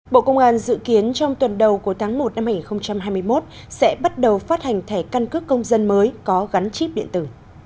bộ công an dự kiến trong tuần đầu của tháng một năm hai nghìn hai mươi một sẽ bắt đầu phát hành thẻ căn cước công dân mới có gắn chip điện tử